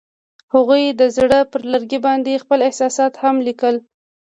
هغوی د زړه پر لرګي باندې خپل احساسات هم لیکل.